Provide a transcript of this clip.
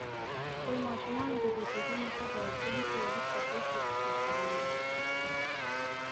خپل ماشومانو د زیږېدو نېټه باید ولیکئ وروسته پوه شی چې څو کلن دی